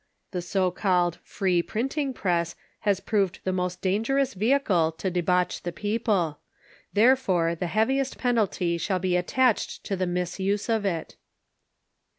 The so called "Free Printing Press" has proved the most dangerous vehicle to debauch the people ; there fore the heaviest penalty shall be attached to the misuse of it.